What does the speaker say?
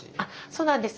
そうなんです。